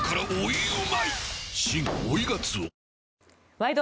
「ワイド！